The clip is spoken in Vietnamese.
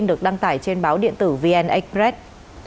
được đăng tải trên báo điện tử vn express